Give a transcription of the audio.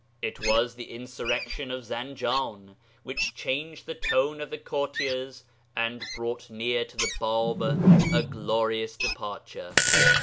It was the insurrection of Zanjan which changed the tone of the courtiers and brought near to the Bāb a glorious departure.